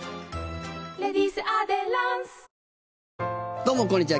どうもこんにちは。